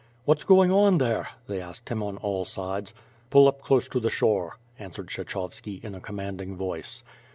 "What's going on there?" they asked him on all sides. "Pull up close to the shore," answered Kshechov^ki, in a commanding voice.